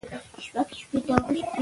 د لیکوالو سبک او ژبه باید وڅېړل شي.